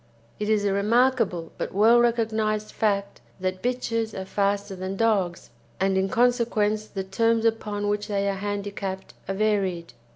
It is a remarkable but well recognised fact that bitches are faster than dogs, and in consequence the terms upon which they are handicapped are varied.